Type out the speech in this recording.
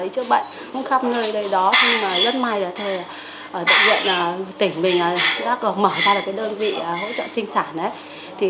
chúng tôi ở bệnh viện tỉnh mình đã mở ra đơn vị hỗ trợ sinh sản